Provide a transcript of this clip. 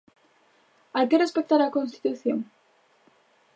¿Hai que respectar a Constitución?